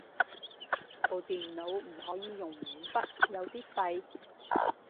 部電腦唔可以用五筆，有啲廢